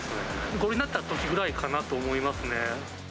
５類になったときぐらいかなと思いますね。